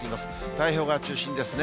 太平洋側中心ですね。